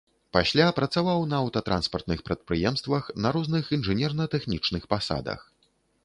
Пасля працаваў на аўтатранспартных прадпрыемствах на розных інжынерна-тэхнічных пасадах.